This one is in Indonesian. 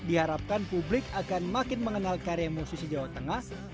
diharapkan publik akan makin mengenal karya musisi jawa tengah